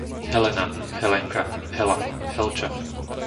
Helena, Helenka, Hela, Helča